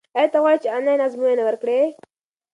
ایا ته غواړې چې آنلاین ازموینه ورکړې؟